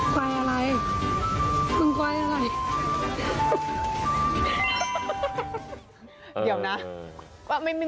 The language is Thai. กวายอะไรกวายอะไรมึงกวายอะไร